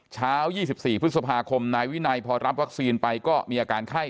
เช้า๒๔พฤษภาคมนายวินัยพอรับวัคซีนไปก็มีอาการไข้